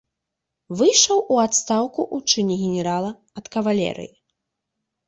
Выйшаў у адстаўку ў чыне генерала ад кавалерыі.